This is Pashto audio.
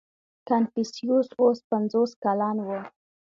• کنفوسیوس اوس پنځوس کلن و.